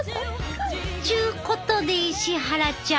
ちゅうことで石原ちゃん。